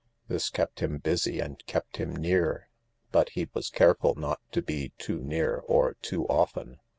This kept him busy and kept him near : but he was careful not to be too near or too often.